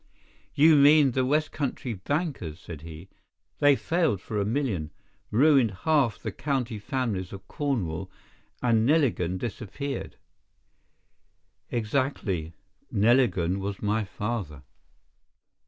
"You mean the West Country bankers," said he. "They failed for a million, ruined half the county families of Cornwall, and Neligan disappeared." "Exactly. Neligan was my father."